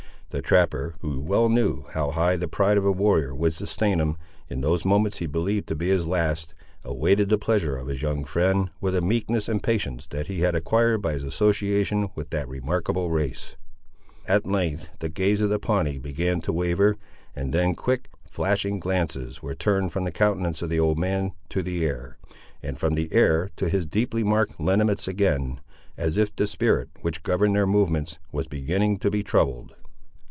The trapper, who well knew how high the pride of a warrior would sustain him, in those moments he believed to be his last, awaited the pleasure of his young friend, with a meekness and patience that he had acquired by his association with that remarkable race. At length the gaze of the Pawnee began to waver; and then quick, flashing glances were turned from the countenance of the old man to the air, and from the air to his deeply marked lineaments again, as if the spirit, which governed their movements, was beginning to be troubled.